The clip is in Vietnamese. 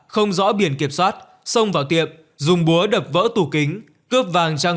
không rõ biển kiểm soát xông vào tiệm dùng búa đập vỡ tủ kính cướp vàng trang